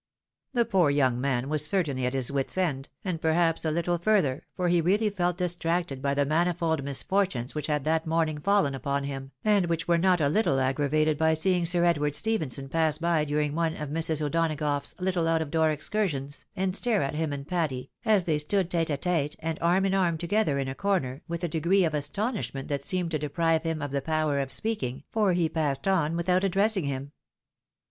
The poor young man was certainly at his wits' end, and perhaps a little further, for he really felt distracted by the manifold misfortunes which had that morning fallen upon him, and which were not a httle aggravated by seeing Sir Edward Stephenson pass by during one of Mrs. O'Donagough's little out of door excursions and stare at him and Patty, as they stood tete a tete and arm in arm together in a corner, with a degree of astonishment that seemed to deprive him of the power of speaking, for he passed on without addressing him.